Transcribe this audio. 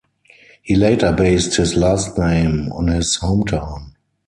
He later based his last name on his hometown.